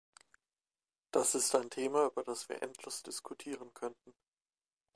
Das ist ein Thema, über das wir endlos diskutieren könnten.